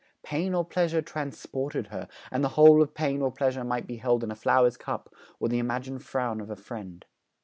Pain or pleasure transported her, and the whole of pain or pleasure might be held in a flower's cup or the imagined frown of a friend.